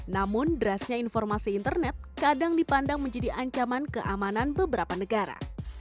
namun derasnya informasi internet kadang dipandang menjadi ancaman keamanan beberapa negara